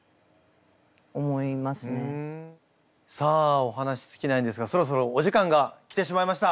さあお話尽きないんですがそろそろお時間が来てしまいました。